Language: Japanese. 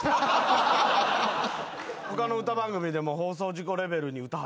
他の歌番組でも放送事故レベルに歌外したん？